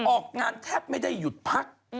ออกงานแทบไม่ได้หยุดพัก